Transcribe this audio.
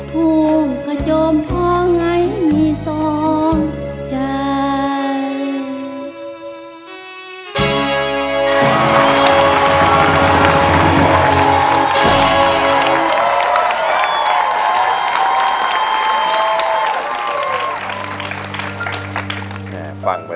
ผู้กระโจมพร้อมไงมีสองใจ